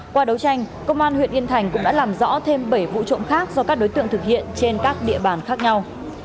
qua đấu tranh công an huyện yên thành cũng đã làm rõ thêm bảy vụ trộm khác do các đối tượng thực hiện trên các địa bàn khác nhau